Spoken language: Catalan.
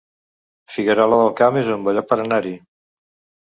Figuerola del Camp es un bon lloc per anar-hi